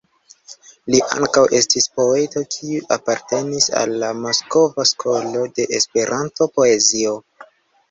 Li ankaŭ estis poeto, kiu apartenis al la Moskva skolo de Esperanto-poezio.